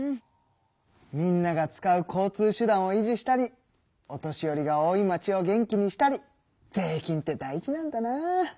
みんなが使う交通手段を維持したりお年寄りが多い町を元気にしたり税金って大事なんだな！